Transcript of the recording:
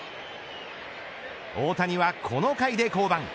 大谷はこの回で降板。